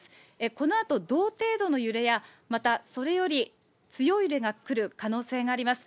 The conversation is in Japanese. このあと同程度の揺れや、またそれより強い揺れが来る可能性があります。